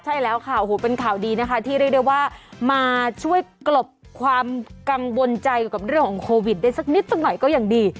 ใช่แล้วค่ะโอ้โหเป็นข่าวดีนะคะที่เรียกได้ว่ามาช่วยกลบความกังวลใจเกี่ยวกับเรื่องของโควิดได้สักนิดหนึ่งหน่อยก็ยังดี